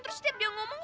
terus setiap dia ngomong